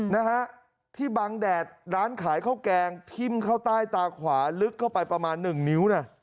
นะฮะที่บังแดดร้านขายข้าวแกงทิ้มเข้าใต้ตาขวาลึกเข้าไปประมาณหนึ่งนิ้วน่ะ